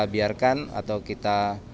biarkan atau kita